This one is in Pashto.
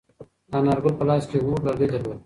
انارګل په لاس کې یو اوږد لرګی درلود.